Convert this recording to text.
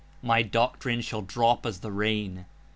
My Doctrine shall drop as the rain.